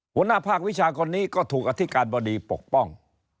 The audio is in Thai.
หัวหน้าภาควิชาคนนี้ก็ถูกอธิการบดีปกป้อง